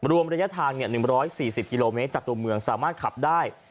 รวมระยะทางเนี่ยหนึ่งร้อยสี่สิบกิโลเมตรจากตัวเมืองสามารถขับได้